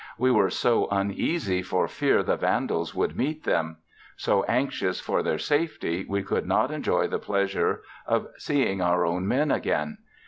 We were so uneasy for fear the vandals would meet them; so anxious for their safety, we could not enjoy the pleasure of seeing our own men again.